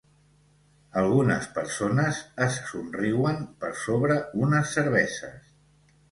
Algunes persones es somriuen per sobre unes cerveses.